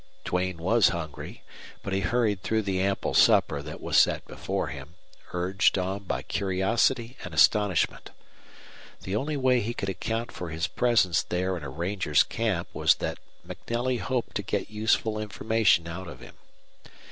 Duane was hungry, but he hurried through the ample supper that was set before him, urged on by curiosity and astonishment. The only way he could account for his presence there in a ranger's camp was that MacNelly hoped to get useful information out of him.